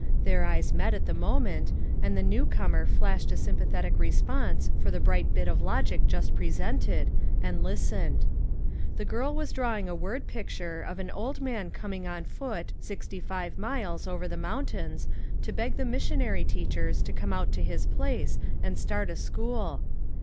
Their eyes met at the moment, and the new comer flashed a sympathetic response for the bright bit 'of logic just presented, and listened. The girl was drawing a word picture, of an old man coming on foot sixty five miles over the moun tains to beg the missionary teachers to come out to his place and start a school.